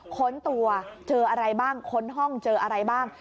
ค้นตัวเจออะไรบ้างค้นห้องเจออะไรบ้าง